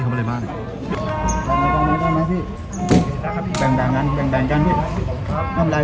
สุชีพมันยืนได้แต่เผลอยืนไม่ได้